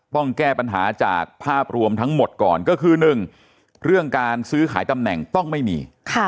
ต้องแก้ปัญหาจากภาพรวมทั้งหมดก่อนก็คือ๑เรื่องการซื้อขายตำแหน่งต้องไม่มี